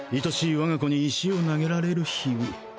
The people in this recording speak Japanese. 我が子に石を投げられる日々。